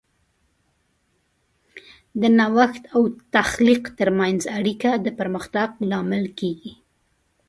د نوښت او تخلیق ترمنځ اړیکه د پرمختګ لامل کیږي.